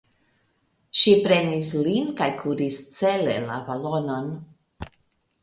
Ŝi prenis lin kaj kuris cele la balonon.